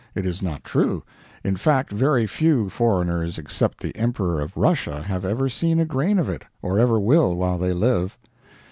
It is not true. In fact, very few foreigners except the Emperor of Russia have ever seen a grain of it, or ever will, while they live."